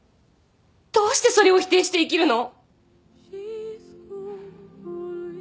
どうしてそれを否定して生きるの？